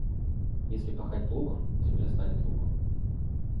Если пахать плугом, земля станет лугом.